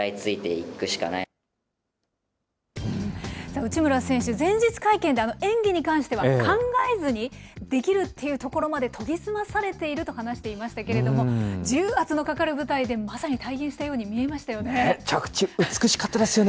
内村選手、前日会見で演技に関しては考えずにできるっていうところまで研ぎ澄まされていると話していましたけれども、重圧のかかる舞台で、まさに体現したように見えましたよね。